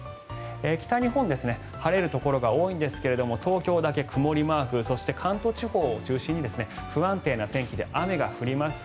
北日本、晴れるところが多いんですが東京だけ曇りマークそして関東地方を中心に不安定な天気で雨が降ります。